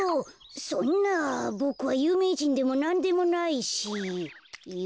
そんなボクはゆうめいじんでもなんでもないしよっと。